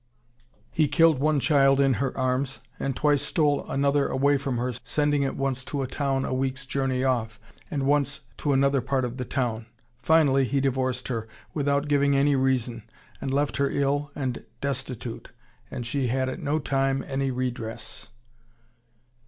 He killed one child in her arms, and twice stole another away from her, sending it once to a town a week's journey off, and once to another part of the town. Finally he divorced her, without giving any reason, and left her ill and destitute. And she had at no time any redress....